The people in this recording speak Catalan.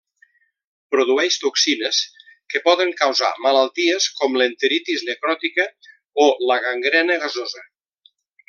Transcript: Produeix toxines que poden causar malalties com l'enteritis necròtica o la gangrena gasosa.